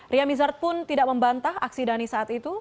ria mizard pun tidak membantah aksi dhani saat itu